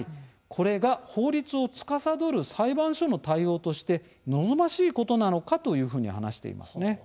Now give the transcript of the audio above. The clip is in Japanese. これが法律をつかさどる裁判所の対応として望ましいことなのかというふうに話していますね。